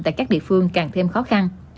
của các địa phương càng thêm khó khăn